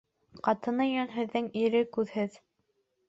Ҡатыны йүнһеҙҙең ире күҙһеҙ.